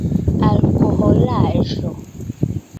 alkoholaĵo